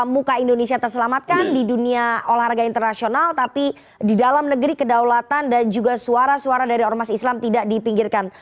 muka indonesia terselamatkan di dunia olahraga internasional tapi di dalam negeri kedaulatan dan juga suara suara dari ormas islam tidak dipinggirkan